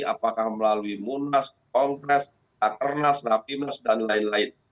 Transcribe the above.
apakah melalui munas kongres rakernas rapimnas dan lain lain